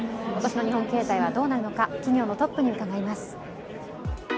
今年の日本経済はどうなるのか、企業のトップに伺います。